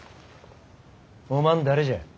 おまん誰じゃ？